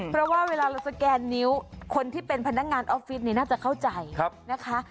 เพราะว่าเวลาเราสแกนนิ้วคนที่เป็นพนักงานออฟฟิศน่าจะเข้าใจนะคะ